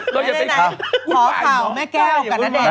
ไงขอกล่าวแม่แก้วกับณเดชน์หน่อย